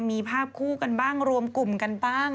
มีภาพคู่กันบ้างรวมกลุ่มกันบ้าง